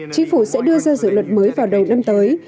chính phủ sẽ đưa ra dự luật mới vào đầu năm tới